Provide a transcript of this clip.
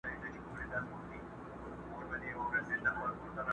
په کورونو یې کړي ګډي د غم ساندي!.